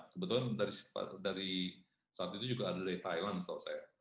kebetulan dari saat itu juga ada dari thailand setahu saya